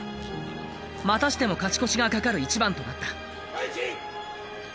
またしても勝ち越しがかかる一番となった。